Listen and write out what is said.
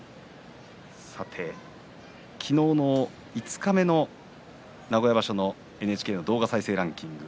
昨日の五日目の名古屋場所後のＮＨＫの動画再生ランキング